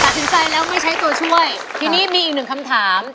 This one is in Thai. ตัดสินใจแล้วไม่ใช้ตัวช่วยทีนี้มีอีกหนึ่งคำถาม